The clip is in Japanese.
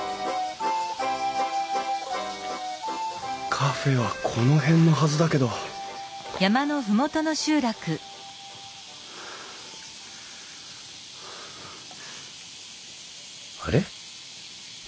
カフェはこの辺のはずだけどあれ？